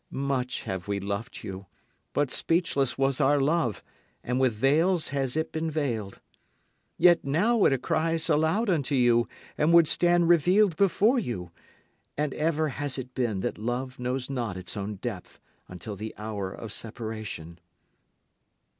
Much have we loved you. But speechless was our love, and with veils has it been veiled. Yet now it cries aloud unto you, and would stand revealed before you. And ever has it been that love knows not its own depth until the hour of separation.